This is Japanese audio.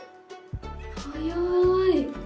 早い。